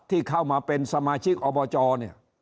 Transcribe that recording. ที่เข้ามาเป็นสมาชิกอบจเนี่ย